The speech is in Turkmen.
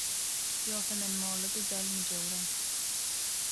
Ýogsa men mollada däl, müjewirem.